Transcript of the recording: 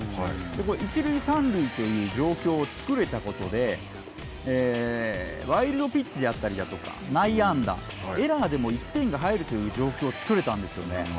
これ、一塁三塁という状況を作れたことで、ワイルドピッチであったりだとか、内野安打、エラーでも１点が入るという状況を作れたんですよね。